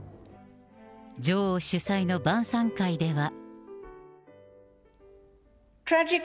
女王主催の晩さん会では。